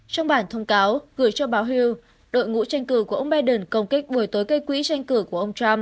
trong bản thông cáo gửi cho báo hild đội ngũ tranh cử của ông biden công kích buổi tối gây quỹ tranh cử của ông trump